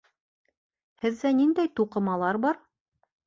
Һеҙҙә ниндәй туҡымалар бар?